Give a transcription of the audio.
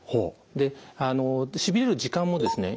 でしびれる時間もですね